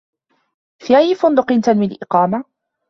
في أي فندقٍ تنوي الإقامة ؟